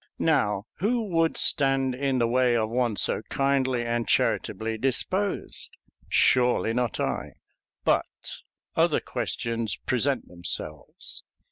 Now who would stand in the way of one so kindly and charitably disposed? Surely not I. But other questions present themselves.